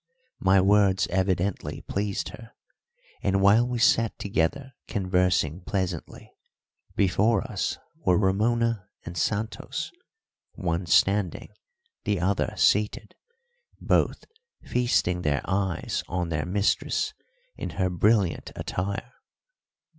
My words evidently pleased her, and while we sat together conversing pleasantly, before us were Ramona and Santos, one standing, the other seated, both feasting their eyes on their mistress in her brilliant attire.